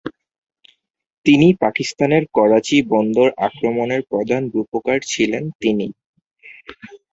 তিনি পাকিস্তানের করাচী বন্দর আক্রমণের প্রধান রূপকার ছিলেন তিনি।